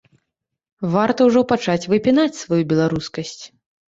Варта ўжо пачаць выпінаць сваю беларускасць.